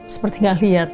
seperti tidak melihat